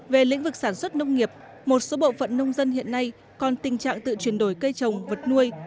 về lĩnh vực sản xuất nông nghiệp một số bộ phận nông dân hiện nay còn tình trạng tự chuyển đổi cây trồng vật nuôi